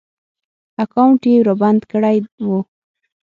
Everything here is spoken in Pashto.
اکاونټ ېې رابند کړی و